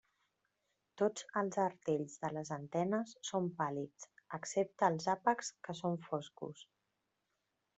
Tots els artells de les antenes són pàl·lids excepte els àpexs, que són foscos.